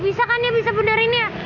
bisa kan ya bisa benerin ya